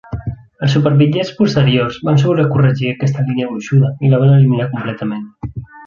Els superbitllets posteriors van sobrecorregir aquesta línia gruixuda i la van eliminar completament.